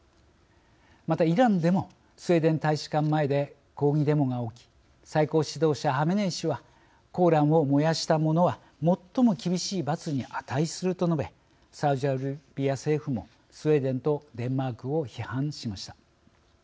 またイランでもスウェーデン大使館前で抗議デモが起き最高指導者ハメネイ師は「コーラン」を燃やした者は最も厳しい罰に値すると述べサウジアラビア政府もスウェーデンとデンマークを批判しました。